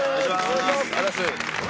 お願いします。